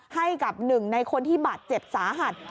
ให้กับหนึ่งในคนที่บาดเจ็บสาหัส